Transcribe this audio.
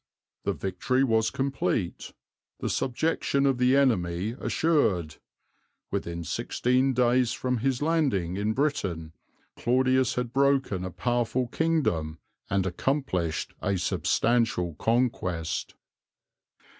The victory was complete; the subjection of the enemy assured. Within sixteen days from his landing in Britain, Claudius had broken a powerful kingdom and accomplished a substantial conquest."